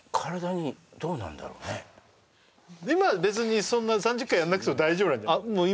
今別にそんな３０回やらなくても大丈夫なんじゃあっもう